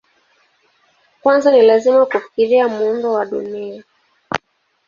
Kwanza ni lazima kufikiria muundo wa Dunia.